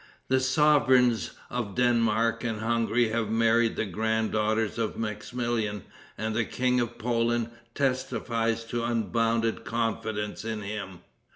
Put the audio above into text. The sovereigns of Denmark and Hungary have married the grand daughters of Maximilian, and the King of Poland testifies to unbounded confidence in him.